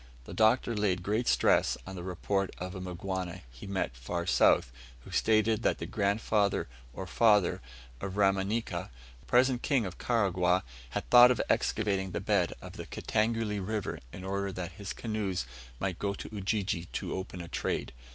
The Doctor laid great stress on the report of a Mgwana he met far south, who stated that the grandfather or father of Rumanika, present King of Karagwah, had thought of excavating the bed of the Kitangule River, in order that his canoes might go to Ujiji to open a trade.